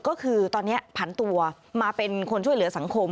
ก็คือตอนนี้ผันตัวมาเป็นคนช่วยเหลือสังคม